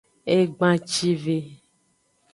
Egbancive.